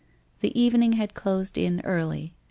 The evening had closed in early.